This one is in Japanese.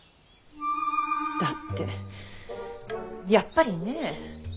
だってやっぱりねえ。